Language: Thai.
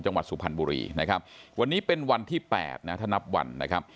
จังหวัดสุพรรณบุรีนะครับวันนี้เป็นวันที่แปดนะถนับวันนะครับ